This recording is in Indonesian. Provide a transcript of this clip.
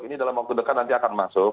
ini dalam waktu dekat nanti akan masuk